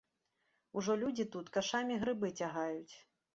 Ужо людзі тут кашамі грыбы цягаюць.